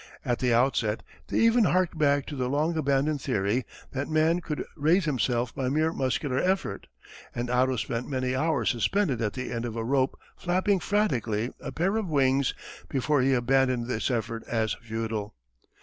At the outset they even harked back to the long abandoned theory that man could raise himself by mere muscular effort, and Otto spent many hours suspended at the end of a rope flapping frantically a pair of wings before he abandoned this effort as futile.